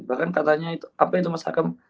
bahkan katanya itu apa itu mas hakam